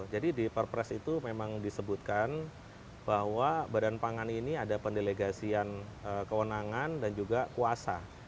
jadi di perpres itu memang disebutkan bahwa badan pangan ini ada pendelegasian kewenangan dan juga kuasa